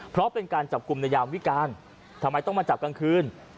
เพราะเป็นการจับกลุ่มในยามวิการทำไมต้องมาจับกลางคืน